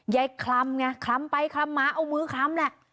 คลำไงคลำไปคลำมาเอามือคล้ำแหละ